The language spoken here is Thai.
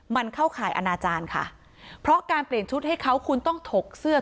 มันเข้าข่ายอนาจารย์ค่ะเพราะการเปลี่ยนชุดให้เขาคุณต้องถกเสื้อ